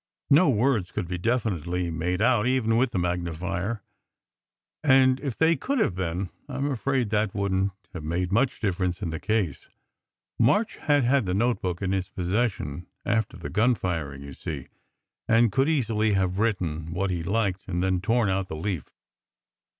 No words could be definitely made out, even with the magnifier, and even if they could have been, I m afraid that wouldn t have made much difference in the case. March had had the notebook in his possession after the gunfiring, you see, and could easily have written what he liked and then torn out the leaf.